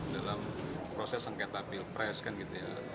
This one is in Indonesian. dalam proses sengketa pilpres kan gitu ya